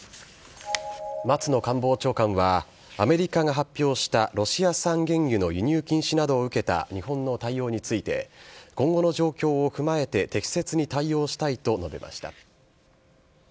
松野官房長官は、アメリカが発表したロシア産原油の輸入禁止などを受けた日本の対応について、今後の状況を踏まえて適切に対応したいと述べました。